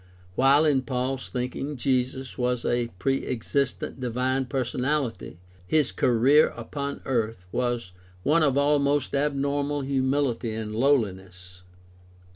While, in Paul's thinking, Jesus was a pre existent divine personahty, his career upon earth was one of almost abnormal humihty and lowHness.